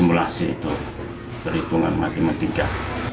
masih itu berhitungan matematika